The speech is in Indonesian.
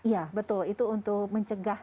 ya betul itu untuk mencegah